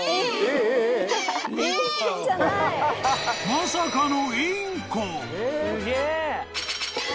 ［まさかの］